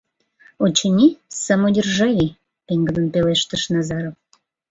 — Очыни, самодержавий! — пеҥгыдын пелештыш Назаров.